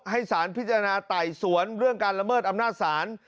ให้สารพิจารณาไต่สวนเรื่องการละเมิดอำนาจศาล